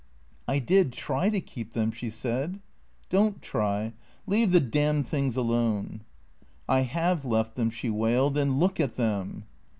" I did try to keep them," she said. " Don't try. Leave the damned things alone." " I have left them," she wailed. " And look at them."